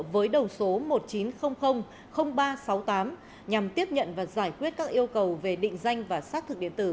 với đầu số một nghìn chín trăm linh ba trăm sáu mươi tám nhằm tiếp nhận và giải quyết các yêu cầu về định danh và xác thực điện tử